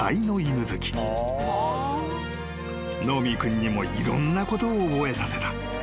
［ヌオミー君にもいろんなことを覚えさせた］